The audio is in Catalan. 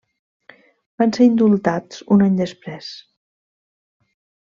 Van ser indultats un any després.